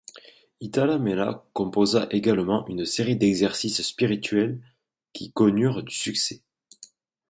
Itala Mela composa également une série d'exercices spirituels qui connurent du succès.